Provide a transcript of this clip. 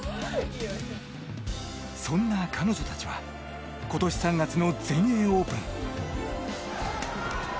そんな彼女たちは今年３月の全英オープン。